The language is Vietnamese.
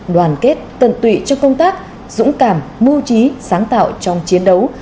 đoàn kết tận tụy cho công tác dũng cảm mưu trí sáng tạo trong chiến đấu